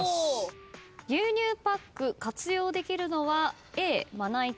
牛乳パック活用できるのは。